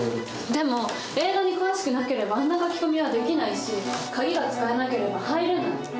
でも映画に詳しくなければあんな書き込みはできないし鍵が使えなければ入れない。